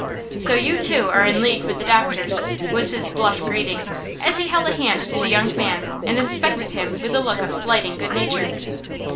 'So you too are in league with the doctors,' was his bluff greeting, as he held a hand to the young man and inspected him with a look of slighting good nature.